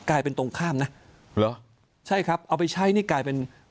กลายเป็นตรงข้ามนะเหรอใช่ครับเอาไปใช้นี่กลายเป็น